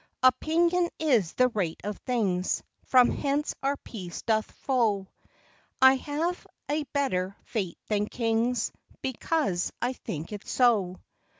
i Opinion is the rate of things, From hence our peace doth flow; I have a better fate than kings, Because I think it so.